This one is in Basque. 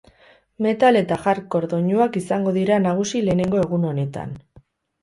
Metal eta hard-core doinuak izango dira nagusi lehenengo egun honetan.